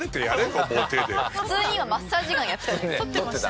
普通に今マッサージガンやってた。